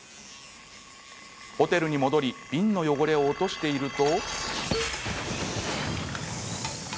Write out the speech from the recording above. ホテルに戻り瓶の汚れを落としていると。